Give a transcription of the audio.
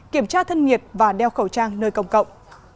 kiểm tra thân nhiệt và đeo khẩu trang nơi công cộng